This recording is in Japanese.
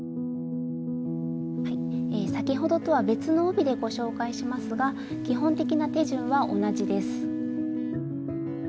先ほどとは別の帯でご紹介しますが基本的な手順は同じです。